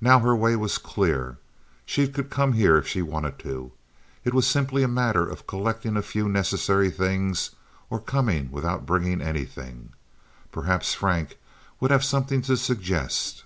Now her way was clear. She could come here if she wanted to. It was simply a matter of collecting a few necessary things or coming without bringing anything. Perhaps Frank would have something to suggest.